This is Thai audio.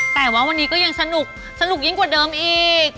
แต่ว่าวันนี้ก็ยังสนุกสนุกยิ่งกว่าเดิมอีก